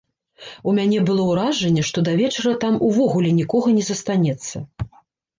У мяне было ўражанне, што да вечара там ўвогуле нікога не застанецца.